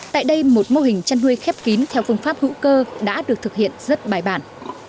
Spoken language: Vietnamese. tại đây một mô hình chăn nuôi khép kín theo phương pháp hữu cơ đã được thực hiện rất bài bản